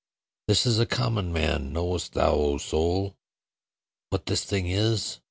'This is a common man: knowest thou, O soul, What this thing is?